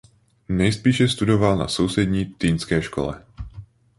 Nejspíše studoval na sousední Týnské škole.